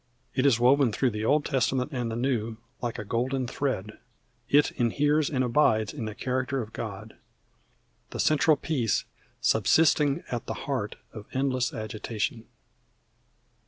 It is woven through the Old Testament and the New like a golden thread. It inheres and abides in the character of God, "The central peace subsisting at the heart Of endless agitation."